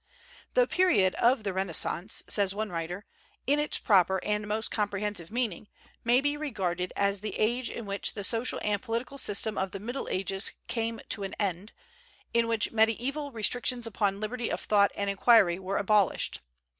"The period of the Renaissance," says one writer, "in its proper and most comprehensive meaning, may be regarded as the age in which the social and political system of the Middle Ages came to an end, in which medieval restrictions upon liberty of thought and inquiry were abolished."